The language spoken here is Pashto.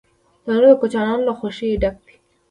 تنور د کوچنیانو له خوښۍ ډک دی